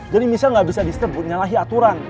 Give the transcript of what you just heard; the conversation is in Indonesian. jadi michelle gak bisa disturb buat nyalahi aturan